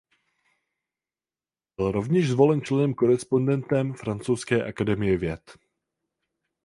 Byl rovněž zvolen členem korespondentem Francouzské akademie věd.